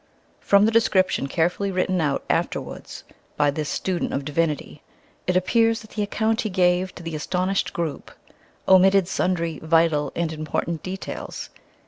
From the description carefully written out afterwards by this student of divinity, it appears that the account he gave to the astonished group omitted sundry vital and important details.